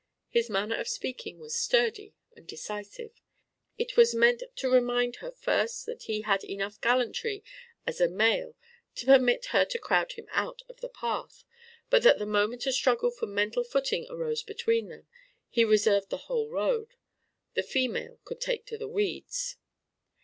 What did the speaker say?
His manner of speaking was sturdy and decisive: it was meant to remind her first that he had enough gallantry as a male to permit her to crowd him out of the path; but that the moment a struggle for mental footing arose between them, he reserved the whole road: the female could take to the weeds!